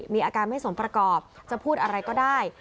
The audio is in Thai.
มีอาการไม่สมประกอบจะพูดอะไรก็ได้